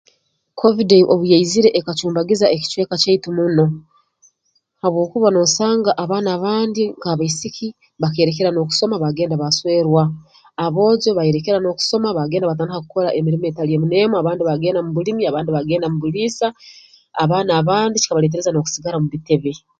Kovidi obu yaizire ekacumbagiza ekicweka kyaitu muno habwokuba noosanga abaana abandi nk'abaisiki bakeerekera n'okusoma baagenda baaswerwa aboojo baayerekera n'okusoma baagenda baatandika kukora emirimo etali emu n'emu abandi baagenda mu bulimi abandi baagenda mu buliisa abaana abandi kikabaleetereza n'okusigara mu bitebe